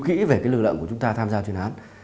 kỹ về cái lưu lợn của chúng ta tham gia truyền án